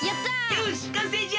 よしかんせいじゃ！